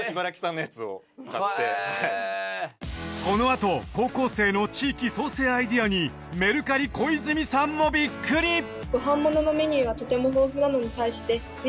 このあと高校生の地域創生アイデアにメルカリ小泉さんもビックリ！